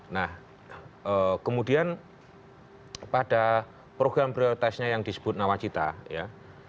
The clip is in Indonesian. nah kemudian pada program prioritasnya yang disebut nawacita ya